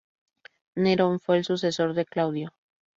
Nerón fue el sucesor de Claudio.